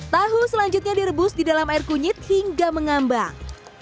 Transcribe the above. tahu selanjutnya direbus di dalam air kunyit hingga mengambang